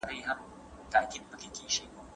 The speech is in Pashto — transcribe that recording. د تمرکز زیاتوالی د روژې مثبت اغېز دی.